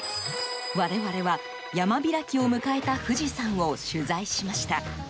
我々は、山開きを迎えた富士山を取材しました。